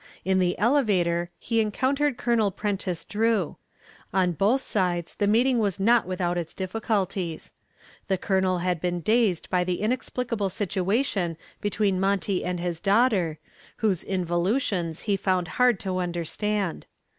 In the elevator he encountered Colonel Prentiss Drew. On both sides the meeting was not without its difficulties. The Colonel had been dazed by the inexplicable situation between Monty and his daughter, whose involutions he found hard to understand.